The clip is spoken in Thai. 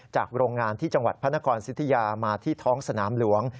โรงงานที่จังหวัดพระนครสิทธิยามาที่ท้องสนามหลวง